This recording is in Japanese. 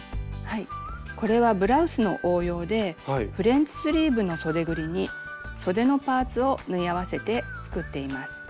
これはブラウスの応用でフレンチスリーブのそでぐりにそでのパーツを縫い合わせて作っています。